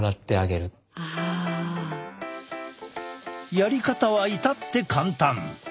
やり方は至って簡単！